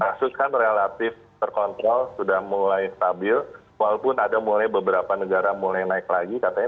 kasus kan relatif terkontrol sudah mulai stabil walaupun ada mulai beberapa negara mulai naik lagi katanya